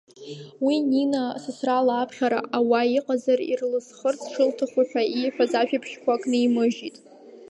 Уи Нина сасра лааԥхьара ауа иҟазар ирласхарц шылҭаху ҳәа ииҳәаз ажәабжьқәа ак нимыжьит.